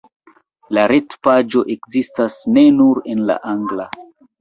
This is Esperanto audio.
La retpaĝo ekzistas ne nur en la angla.